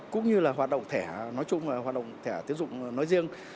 cũng như là hoạt động thẻ nói chung và hoạt động thẻ tiến dụng nói riêng